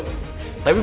tapi bukan itu